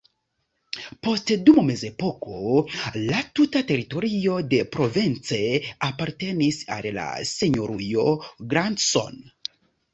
Poste dum mezepoko la tuta teritorio de Provence apartenis al la Senjorujo Grandson.